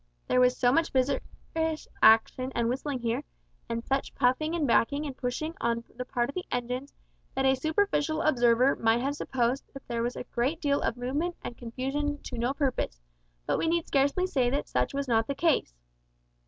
There was so much vigorous action and whistling here, and such puffing and backing and pushing on the part of the engines, that a superficial observer might have supposed there was a great deal of movement and confusion to no purpose, but we need scarcely say that such was not the case.